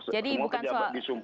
jadi bukan soal